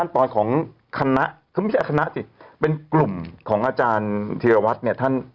ตกบนะครับหลุม